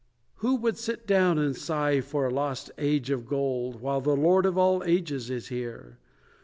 Who would sit down and sigh for a lost age of gold, While the Lord of all ages is here?